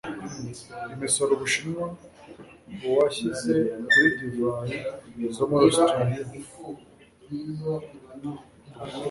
Imisoro u Bushinwa bwashyize kuri divayi zo muri Australia